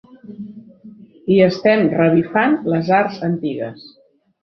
I estem revifant les arts antigues.